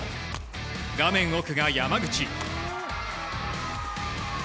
画面奥が山口。